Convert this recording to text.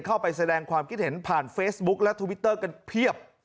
เข้าไปแสดงความคิดเห็นผ่านเฟซบุ๊คและทวิตเตอร์กันเพียบ